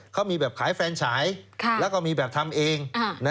เขามีแบบขายแฟนฉายแล้วก็มีแบบทำเอง